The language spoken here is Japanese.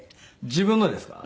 自分のですか？